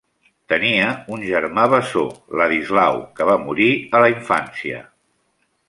Tenia un germà bessó, Ladislau, que va morir a la infància.